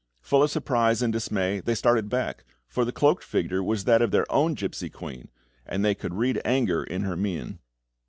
Full of surprise and dismay, they started back, for the cloaked figure was that of their own gipsy queen, and they could read anger in her mien.